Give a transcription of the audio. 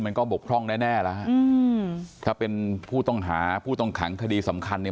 บกพร่องแน่แน่แล้วฮะอืมถ้าเป็นผู้ต้องหาผู้ต้องขังคดีสำคัญเนี่ย